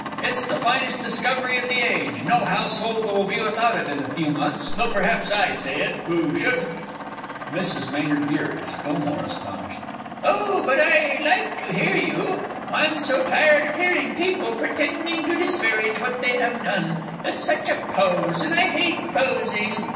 It's the finest discovery of the age, no household will be without it in a few months though perhaps I say it who shouldn't. MRS. M. G. (still more astonished). Oh, but I like to hear you. I'm so tired of hearing people pretending to disparage what they have done, it's such a pose, and I hate posing.